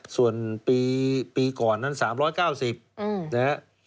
ส่วนปีก่อนนั้น๓๙๐นะครับ